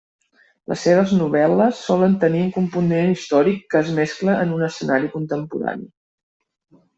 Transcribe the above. Les seves novel·les solen tenir un component històric que es mescla en un escenari contemporani.